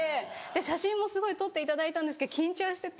写真もすごい撮っていただいたんですけど緊張してて。